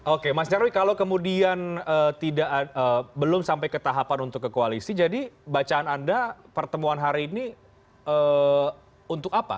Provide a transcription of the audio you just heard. oke mas nyarwi kalau kemudian belum sampai ke tahapan untuk ke koalisi jadi bacaan anda pertemuan hari ini untuk apa